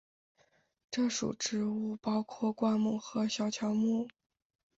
这属植物包括灌木和小乔木。